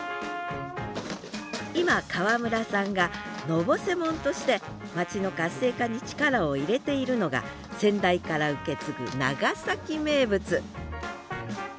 今川村さんが「のぼせもん」として街の活性化に力を入れているのが先代から受け継ぐ長崎名物